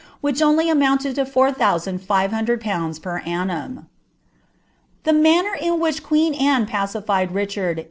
which only amounted to fonr hundred pounds per annum." The manner in which queen Anne pacified Riclmrd.